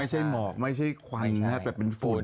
ไม่ใช่หมอกไม่ใช่ควันนะครับแบบเป็นฝุ่น